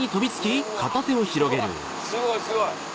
うわすごいすごい。